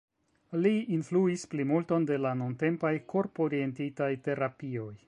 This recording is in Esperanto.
Li influis plimulton de la nuntempaj korp-orientitaj terapioj.